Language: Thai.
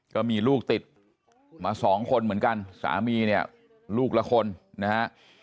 ก็มีลูกติดมาสองคนเหมือนกันสามีเนี่ยลูกละคนนะฮะ